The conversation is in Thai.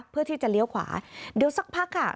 เพื่อที่จะเลี้ยวขวาเดี๋ยวสักพักค่ะ